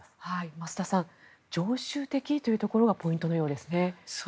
増田さん常習的というところがポイントのようですね。